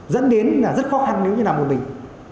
dẫn đến là rất khó khăn nếu như là một mình